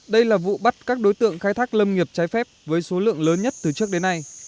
đây là vụ bắt các đối tượng khai thác lâm nghiệp trái phép với số lượng lớn nhất từ trước đến nay